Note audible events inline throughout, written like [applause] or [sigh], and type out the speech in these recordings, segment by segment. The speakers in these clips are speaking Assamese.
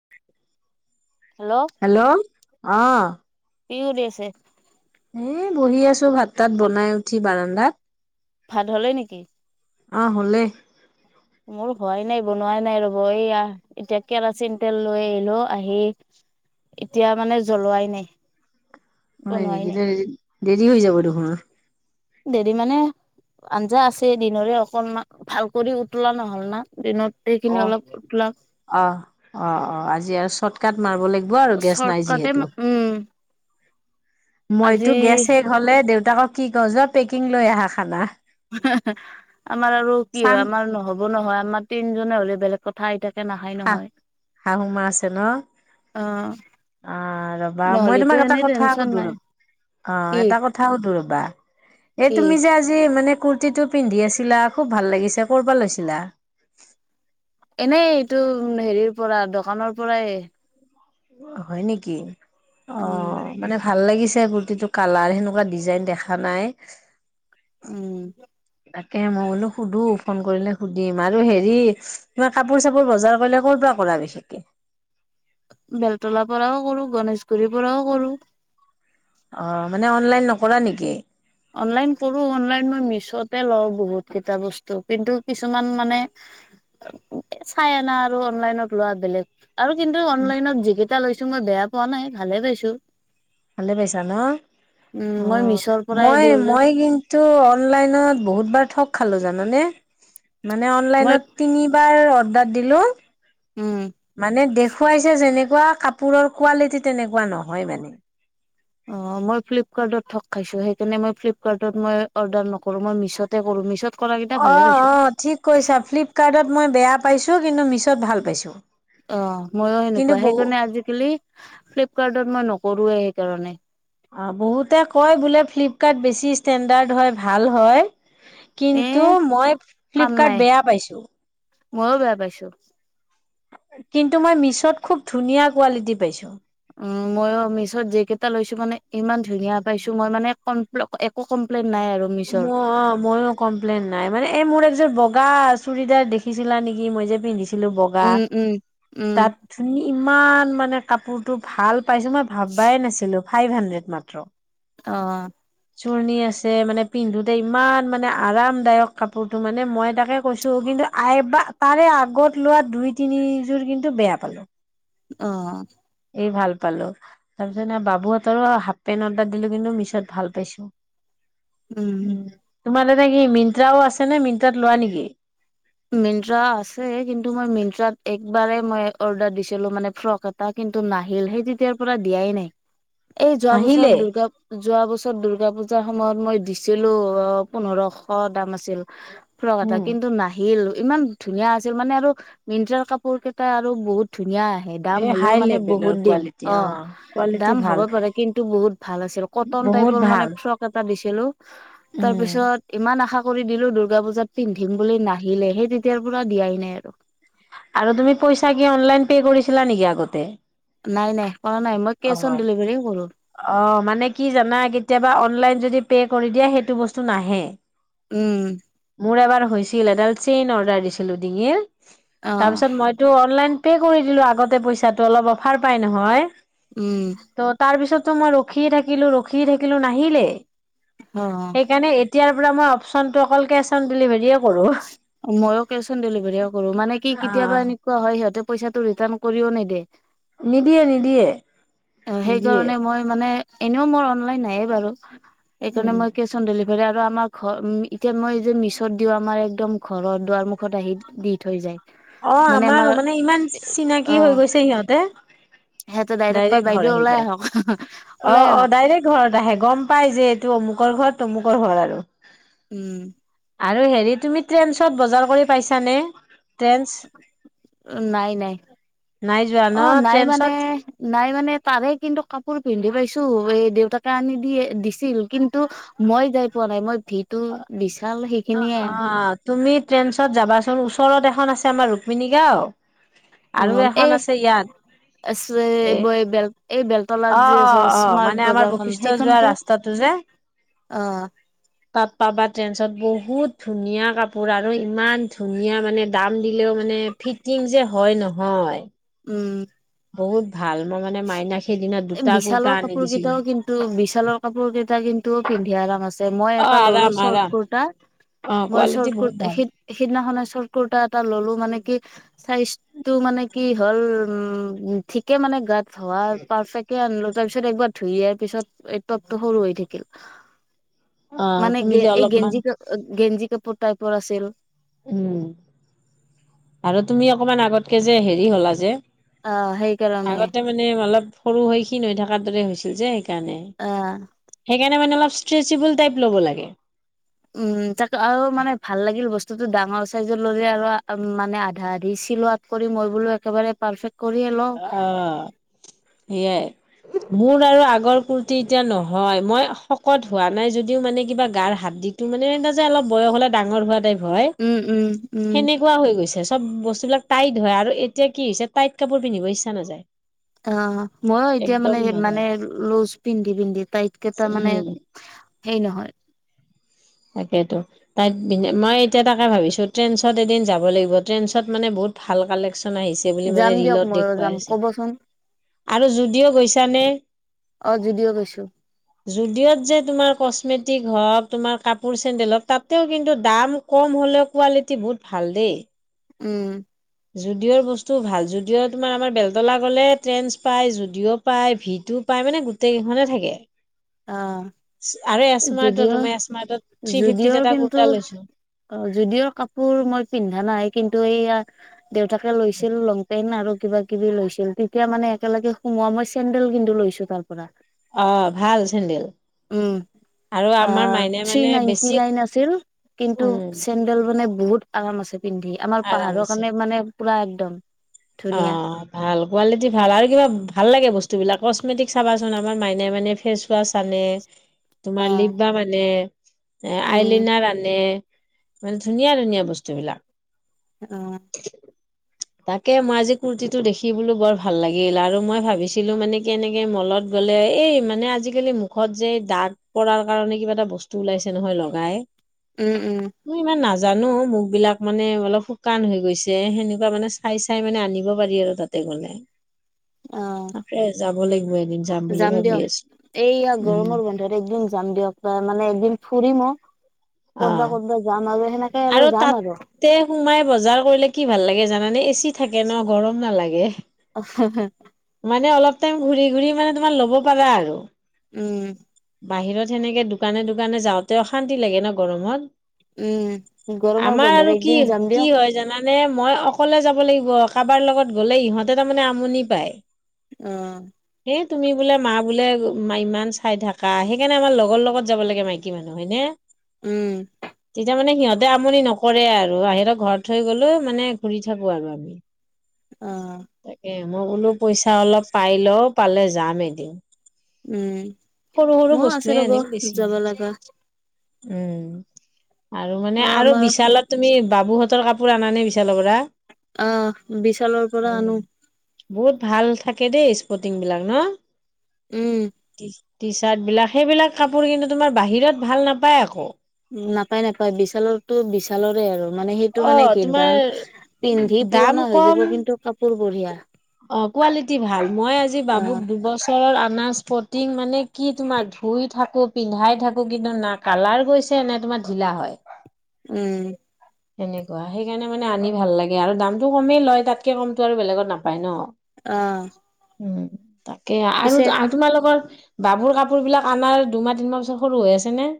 [inaudible] হেল্ল'। হেল্ল' অ। কি উলিয়াইছে? এ বহি আছোঁ, ভাত তাত বনাই উঠি বাৰাণ্ডাত। ভাত হ'লেই নেকি? আ হ'লেই। মোৰ হোৱাই নাই বনোৱাই নাই ৰ'ব এইয়া এতিয়া কেৰাচিন তেল লৈ আহিলোঁ আহি এতিয়া মানে জ্বলোৱাই নাই। হয় বনোৱাই নেকি নাই দেৰি দেৰি হৈ যাব দেখোন। দেৰি মানে আঞ্জা আছেই দিনৰে অকনমান ভাল কৰি উতলা নহ'ল না দিনত। [unintelligible] অ খিনি অলপ [unintelligible] অ অ অ আজি আৰু চৰ্ট কাট মাৰব লাগিব আৰু গেছ নাই চৰ্টকাটে যিহেতু। উম আজি মইতো গেছ শেষ হ'লে দেউতাকক কি কওঁ যোৱা পেকিং লৈ আহা খানা। আমাৰ আৰু কি চান হয় আমাৰ নহ'ব নহয় আমাৰ তিনজনে হ'লে বেলেগ। কথা এতিয়াকে নাখায় শা নহয় শাহু মা আছে ন! অ আ ৰবা মই নহ'লেতো তোমাক এটা এনেই কথা টেনচন সুধো ৰ। নাই অ কি এটা কথা সুধো ৰবা এই কি তুমি যে আজ জি মানে কুৰ্তিটো পিন্ধি আছিলা খুব ভাল লাগিছে ক'ৰপা লৈছিলা। এনেই এইটো হেৰিৰ পৰা দকানৰ পৰাই। হয় নেকি অ উম, মানে ভাল লাগিছে কুৰ্তিটো কালাৰ সেনেকুৱা ডিজাইন দেখা নাই। উম। তাকে মই বোলো সুধো ফোন কৰিলে সুধিম আৰু হেৰি তোমাৰ কাপোৰ চাপোৰ বজাৰ কৰিলে ক'ৰ পৰা কৰা বিশেষকে। বেলতলা পৰাও কৰোঁ গণেশগুৰিৰ পৰাও কৰোঁ। অ মানে অনলাইন নকৰা নেকি? অনলাইন কৰোঁ অনলাইন মই মিছ'তে লওঁ বহুতকেইটা বস্তু কিন্তু কিছুমান মানে চাই অনা আৰু অনলাইনত লোৱা বেলেগ। আৰু কিন্তু অনলাইনত যিকেইটা লৈছোঁ মই বেয়া পোৱা নাই ভালে পাইছোঁ। ভালে পাইছা ন অ মিছৰ পৰাই মই দিওঁ যে, মই কিন্তু অনলাইনত বহুত বাৰ ঠগ খালোঁ জানানে মানে মই অনলাইনত। তিনিবাৰ অৰ্ডাৰ দিলোঁ। উম। মানে দেখুৱাইছে যেনেকুৱা কাপোৰৰ কোৱালিটি তেনেকুৱা নহয় মানে। অ মই ফ্লিপকাৰ্টত থগ খাইছো সেইকাৰণে মই ফ্লিপকাৰ্টত মই অৰ্ডাৰ নকৰোঁ মই মিছ'তে কৰোঁ মিছ'ত। কৰা কেইটা ভালে পাইছো। অ'অ' ঠিক কৈছা ফ্লিপকাৰ্টত মই বেয়া পাইছোঁ, কিন্তু মিছ'ত ভাল পাইছোঁ। অ' ময়ো কিন্তু এনেকুৱা, বহু সেইকাৰণে আজিকালি ফ্লিপকাৰ্টত মই নকৰোৱেই সেইকাৰণে। অ' বহুতে কয় বোলে, ফ্লিপকাৰ্ট বেছি ষ্টেণ্ডাৰ্ড হয়, ভাল হয়। এ কিন্তু, মই কাম নাই। ফ্লিপকাৰ্টত বেয়া পাইছোঁ। ময়ো বেয়া পাইছোঁ। কিন্তু, মই মিছ'ত খুব ধুনীয়া কোৱালিটি পাইছোঁ। উম, ময়োও মিছত যি কেইটা লৈছো মানে, ইমান ধুনীয়া পাইছো মই মানে কম। ব্লক‌ একো কমপ্লেইন নাই আৰু মিছৰ। মোৰ অ', ময়ো কমপ্লেইন নাই মানে, এই মোৰ এ যে বগা চুৰিদাৰ দেখিছিলা নেকি, মই যে পিন্ধিছ। ছিলো বগা উম উম উম তাত। ধুনি ইমান মানে কাপোৰটো ভাল পাইছো, মই ভাবাই নাছিলো। ফাইভ হাণ্ড্ৰেড মাত্ৰ। অ' চুৰণি আছে মানে। পিন্ধোতে ইমান মানে আৰামদায়ক কাপোৰটো মানে, মই তাকে কৈছোঁ কিন্তু আইবাক। তাৰে আগত লোৱা দুই, তিনিযোৰ কিন্তু বেয়া পালোঁ। অ' এই ভাল পালো। তাৰ পিছত নে বাবুহঁতৰো হাফ পেন্ট অৰ্ডাৰ দিলো, কিন্তু মিছত ভাল পাইছো। [unintelligible] উম, তোমাৰ তাতে কি মিনট্টাও আছে নে, মিনট্টাত লোৱা নেকি? মিনট্ৰা আছে, কিন্তু মই মিনট্ৰাত একবাৰেই মই অৰ্ডাৰ দিছিলো মানে ফ্ৰক এট। টা কিন্তু নাহিল, সেই তেতিয়াৰ পৰা দিয়াই নাই। এই যোৱা বছৰ নাহিলেই দুৰ্গা। যোৱা বছৰ দূৰ্গা পুজাৰ সময়ত মই দিছিলো, অ পোন্ধৰশ দাম আছিল। ফ্ৰক এটা কিন্তু নাই। ইলৌ, ইমান ধুনীয়া আছিল মানে আৰু মিনট্ৰাৰ কাপোৰ কেইটা আৰু বহুত ধুনীয়া আহ। হে দাম এই হ'লেও হাই মানে লেভেলৰ বহুত দিন কোৱালিটি অ' কোৱালিটি দাম হ'ব ভাল পাৰে, কিন্তু বহুত ভাল আছিল। কটন বহুত টাইপৰ মানে ভাল ফ্ৰক এটা দিছিলোঁ। উম তাৰপিছত, ইমান আশা কৰি দিলো দূৰ্গা পূজাত পিন্ধিম বুলি নাহিলে। সেই তেতিয়াৰ পৰা দিয়াই নাই আৰু। আৰু তুমি পইচা কি অনলাইন পে কৰিছিলা নেকি আগতে? নাই, নাই কৰা নাই, মই কেচ অ অন ডেলিভাৰীয়ে কৰো। অ' মানে কি জানা, কেতিয়াবা অনলাইন যদি পে কৰি দিয়ে। সেইটো বস্তু নাহে। উম মোৰ এবাৰ হৈছিল এডাল চেইন অৰ্ডাৰ দিছিলো ডিঙিৰ, অ তাৰপিছত মই। টো, অনলাইন পে কৰি দিলো আগতে পইচাতো অলপ অফাৰ পাই নহয়। উম তৌ তাৰ পিছতো মই ৰখিয়ে থাকিলো ৰখিয়ে থাকিলো নাহিলে, অ সেইকাৰণে এইত তিয়াৰ পৰা মই অপশচনটো অকল কেচ অন ডেলিভাৰীয়ে। কৰো। ময়ো কেচ অন ডেলিভাৰীয়ে কৰো। মানে কি অ' কেতিয়াবা এনি। কোৱা হয়, সিহঁতে পইচাটো ৰিটাৰ্ণ কৰিও নেদে। নিদিয়ে, নিদিয়ে। অ নিদিয়ে 'হেইকাৰণে মই মানে, এনেও মোৰ অনলাইন নায়ে বাৰু সেইকাৰণে উম। মই কেচ। চন ডেলিভাৰী আৰু আমাৰ ঘৰ উম এতিয়া মই যে, মিছোত দিওঁ আমাৰ একদম ঘৰ দুৱাৰমখত আহি। দি থৈ যায়, অ' মানে আমাৰো আমাৰ ইমান এ চিনাকি হৈ গৈছে সিহঁতে অহ। হেতে ডাইৰেক্ট কয়, বাইদেউ ওলাই আহক। ওলাই অ'অ' আহক ডাইৰেক্ট ঘৰত আহে, গম পাই যে এইটো অমুকৰ ঘত তমুকৰ ঘৰ আৰু। উম আৰু হেৰি তুমি ট্ৰেইনচত বজাৰ কৰি পাইছানে? ট্ৰেন্ঞ্চ নাই, নাই নাই যোৱা ন অ' নাই মানে। ট্ৰেন্ঞ্চত নাই মানে তাৰে কিন্তু কাপোৰ পিন্ধি পাইছো। এই দেউতাকে আনি দিয়ে, দিছিল কিন্তু। মই যাই পোৱা নাই মই ভি টো বিশাল সে অ অ তুমি ট্ৰেণ্ডচত যাবাচোন ওচৰত এখন আছে আমাৰ ৰুক্মিনী গাঁও অ আৰু এখন এই আছে ইয়াত এ চোৱে এ ব এই বেল এই বেল অ অ অ মানে আমাৰ বশিষ্ঠ যোৱা সেইখনতো ৰাস্তাটো যে। অ তাত পাবা ট্ৰেণ্ডছত বহুত ধুনীয়া কাপোৰ আৰু ইমান ধুনীয়া মানে দাম দিলেও মানে ফিটিং যে হয় নহয়। উম। বহুত ভাল মই মানে মাইনাক সেইদিনা এই দুটা কুৰ্তা বিশালৰ আনি কাপোৰ দিছিলোঁ। কেইটাও কিন্তু বিশালৰ কাপোৰ কেইটা কিন্তু পিন্ধি আৰাম আছে, মই অ এটা ললো আৰাম আৰাম চৰ্ট কুুৰ্তা। অ মই কোৱালিটি চৰ্ট বহুত কুৰ্ট ভাল সি সিদিনাখনে চৰ্ট কুৰ্টা এটা ললো মানে কি চাইজটো মানে কি হ'ল উম ঠিকে মানে গাত হোৱা পাৰফেক্ট [unintelligible] আনিলো তাৰ পিছত একবাৰ ধুই দিয়াৰ পিছত এই টপটো সৰু হৈ থাকিল। অ মানে তুমি গে যে এই অলপমান গেঞ্জি কা গেঞ্জি কাপোৰ টাইপৰ আছিল। উম আৰু তুমি অকমান আগতকে যে হেৰি হলা যে আ সেই কাৰণে। আগতে মানে অলপ সৰু হৈ ক্ষীন হৈ থকাৰ দৰে হৈছিল যে সেইকাৰণে, আহ সে এইকাৰণে মানে অলপ ষ্ট্ৰেচিব'ল টাইপ ল'ব লাগে। উম তাকে আৰু মানে ভাল লাগিল বস্তুটো ডাঙৰ চাইজৰ ল'লে আৰু আম মানে আধা আধি চিলোৱাত কৰি মই বোলো একেবাৰে পাৰপেক্ট কৰিয়ে ল অ, সেয়াই। মোৰ আৰু আগৰ কুৰ্তি এতিয়া নহয়, মই শকত হোৱা নাই যদিও মানে কিবা গাৰ হাৰডি টো মানে এতিয়া যে অলপ বয়স হ'লে ডাঙৰ হোৱা টাইপ হয়। উম উম। উম সেনেকুৱা হৈ গৈছে, চব বস্তুবিলাক টাইট হয় আৰু এতিয়া কি হৈছে টাইট কাপোৰ পিন্ধিব ইচ্ছা নাযায়। অ, মইও এতিয়া মানে একদম মানে নাযায় লোজ পিন্ধি পিন্ধি টাইতকেইটা মানে উম হেৰি নহয়। তাকেইতো। টাইত পিন্ধি মই এতিয়া তাকে ভাবিছো ট্ৰেণ্ডছত এদিন যাব লাগিব, ট্ৰেণ্ডছত মানে বহুত ভাল কালেকশ্চ্যন আহিছ এইবুলি মানে যাম দিয়ক ৰিলত ময়ো দেখুৱাই যাম আছে কবচোন আৰু জুডিঅ গৈছানে? অ জুডিঅ গৈছো। জুডিঅ'ত যে তোমাৰ কছমেটিক হওক, তোমাৰ কা পোৰ চেণ্ডেলত তাতেও কিন্তু দাম কম হ'লেও কোৱালিটি বহুত ভাল দেই। উম। জুডিঅ'ৰ বস্তু ভাল, জুডিঅ' তোমাৰ আমাৰ বেলতলা গ'লে ট্ৰেণ্ডছ পাই, জুডিঅ' পাই, ভিটো পাই মানে গোটেই কেইখনে থাকে। [inaudible] অ আৰু এ এচমাৰ্টত তুমি জুডিঅ', এচমাৰ্টত থ্ৰী ফিফটিত জুডিঅ'ৰ এটা কিন্তু কুৰ্তা লৈছো অ জুডিঅৰ কাপোৰ মই পিন্ধা নাই কিন্তু এইয়া দেউতাকে লৈছিল লং পেন্ট আৰু কিবা কিবি লৈছিল তেতিয়া মানে একেলগে সোমোৱা মই চেণ্ডেল কিন্তু লৈছো। তাৰ পৰা। অ ভাল চেণ্ডেল? উম আহ থ্ৰি মানে নাইণ্টি বেছি নাইন আছিল কিন্তু উম, চেন ডেল মানে বহুত আৰাম আছে পিন্ধি, আমাৰ পাহাৰৰ আৰামছে। কাৰণে মানে পুৰা একদম ধুনীয়া। অ', ভাল কোৱালিটি ভাল আৰু কিবা ভাল লাগে বস্তুবিলাক কচমেটিক চাবাচোন আমাৰ মাইনাই মানে ফেচ ৱাচ আনে, তোমাৰ অ লিপ বাম আনে, এ উম আইলিনাৰ আনে। মানে ধুনীয়া ধুনীয়া বস্তুবিলাক। [unintelligible] [inaudible] তাকে মই আজি কুৰ্তিটো দেখি বোলো বৰ ভাল লাগিল, আৰু মই ভাবিছিলোঁ মানে এনেকে মলত গ'লে এই, মানে আজিকালি মুখত যে দাগ পৰাৰ কাৰণে কিবা এটা বস্তু ওলাইছে নহয়, লগাই। উম, উম, মই ইমান নাজানো, মুখবিলাক মানে অলপ শুকান হৈ গৈছে, সেনেকুৱা মানে চাই, চাই মানে আনিব পাৰি আৰু তাতে গ'লে, অ তাকে যাব লাগিব এদিন। বুলি যাম ভাবি দিয়ক, আছো এইয়া উম গৰমৰ বন্ধত একদিন যাম দিয়ক, মানে একদিন ফুৰিমো। অ ক'তবা ক'তবা যাম আৰু সেনেকে আৰু যাম আৰু। তে, সোমাই বজাৰ কৰিলে কি ভাল লাগে জানানে? এ, চি থাকে ন, গৰম নালাগে। [unintelligible] মানে অলপ টাইম ঘূৰি ঘূৰি মানে তোমাৰ, ল'ব পাৰা আৰু। উম, বাহিৰত সেনেকে দোকানে দোকানে যাওঁতে, অশান্তি লাগে ন, গৰমত? উম গৰমৰ আমাৰ বন্ধত আৰু কি একদিন যাম কি দিয়ক হয় জানা? নে, মই অকলে যাব লাগিব, কাবাৰ লগত গ'লে, ইহঁতে তাৰমানে আমনি পায়। অ, এই তুমি বোলে, মা বোলে মা ইমান চা চাই থাকা, সেইকাৰণে আমাৰ লগৰ লগত যাব লাগে মাইকী মানুহ হয়নে? উম তেতিয়া মানে সিহঁত তে, আমনি নকৰে আৰু বাহিৰত, ঘৰত থৈ গ'লো মানে ঘূৰি থাকোঁ আৰু আমি। অ, তাকে মই বোলো পইচা অলপ পাই লওঁ, পালে যাম এদিন। উম, সৰু সৰু ময়ো আছে বস্তুৱে ৰ'ব, আনিম বেছি যাব নাই লগা। উম, আৰু অ মানে আৰু আমাৰ বিশালত তুমি বাবুহঁতৰ কাপোৰ আনা নে, বিশালৰ পৰা? অহ, বিশালৰ পৰা উম আনো। বহুত ভাল থাকে দেই, ইস্কটি বিলাক ন? উম, টি, টি চাৰ্ট বিলাক, সেইবিলাক কাপোৰ কিন্তু, তোমাৰ বাহিৰত ভাল নাপায় আকৌ। নাপায় নাপায়, বিশালৰটো বিশালৰে আৰু মানে সেই টো, অ মানে কি তোমাৰ দাম? পিন্ধি দাম পুৰণা হৈ যাব কম কিন্তু, কাপোৰ বঢ়িয়া। অ, কোৱালিটি ভাল, মই আজি অ বাবুক দুবছৰ ছৰৰ আনা স্পটিং মানে কি? তোমাৰ ধুই থাকোঁ, পিন্ধাই থাকোঁ, কিন্তু না কালাৰ গৈছে নে, তোমাৰ ঢিলা হয়? উম, সেনেকুৱা সেইকাৰণে মানে আনি ভাল লাগে, আৰু দামটো কমেই লয়, তাতকে কমটো আৰু বেলেগত নাপায় ন? অ, উম, তাকে আৰু পিছে টো, আ তোমালোকৰ বাবুৰ কাপোৰ বিলাক, আনাৰ দুমাহ, তিনিমাহ পিছত সৰু হৈ আছে নে?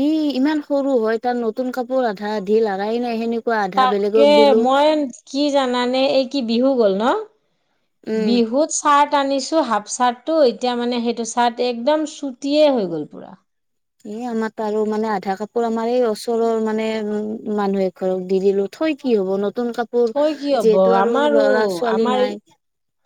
ই, ইমান সৰু হয়, তাৰ নতুন কাপোৰ আধা-আধি লাৰাই নাই, সেনে তাকে, মই কি জানানে? এই কি বিহু গ'ল ন? উম বিহুত চাৰ্ট আনিছোঁ, হাফ চাৰ্টটো এতিয়া মানে সেইটো চাৰ্ট একদম চুটিয়ে হৈ গ'ল পুৰা। ই, আমাৰ তাঁৰো মানে আধা কাপোৰ, আমাৰ এই ওচৰৰ মানে উম, মানুহ এঘ ঘৰক দি দিলোঁ, থৈ কি হ'ব? নতুন কাপোৰ থৈ কি হব যিহেতু আৰু আমাৰো ল'ৰা-ছোৱালী আমাৰ এই নাই।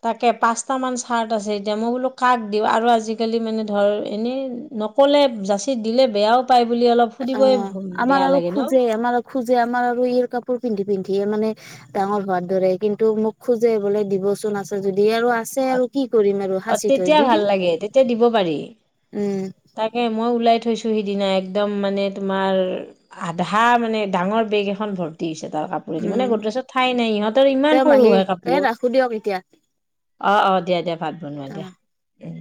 তাকে পাঁচটামান চাৰ্ট আছে, এতিয়া মই বোলো কাক দিওঁ, আৰু আজিকালি মানে ধৰ এনেই নক ক'লে, যাচি দিলে বেয়াও পায় বুলি অলপ সুধিবই অ' আমাৰ বেয়া আৰু লাগে ন খোজে, আমাৰ খোজে, আমাৰ আৰু ইয়াৰ কাপোৰ পিন্ধি, পিন্ধিয়ে মানে ডাঙৰ হোৱাৰ দৰে কিন্তু মোক খোজে বোলে দিবচোন আছে যদি আৰু আছে আৰু কি কৰিম আৰু অ সাচি থৈ তেতিয়া দি ভাল দিম লাগে তেতিয়া দিব পাৰি উম, তাকে মই ওলাই থৈছো সিদিনা একদম মানে তোমাৰ আধা মানে ডাঙৰ বেগ এখন ভৰ্তি হৈছে তাৰ কাপোৰ ক মানে উম গটছ ঠাই নাই ইহঁতৰ ইমান সৰু হয় কাপোৰ। সুধি আহক এতিয়া। অ'অ' দিয়া, দিয়া ভাত বনোৱা অ দিয়া উম,